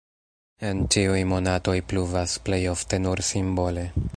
En ĉiuj monatoj pluvas (plej ofte nur simbole).